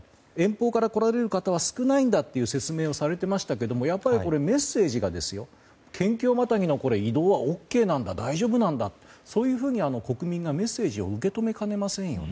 遠方から来られる方は少ないんだという説明をされていましたけどもやっぱり、メッセージが県境またぎの移動はＯＫなんだ大丈夫なんだと国民が、メッセージを受け止めかねませんよね。